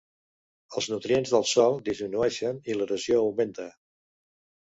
Els nutrients del sòl disminueixen i l'erosió augmenta.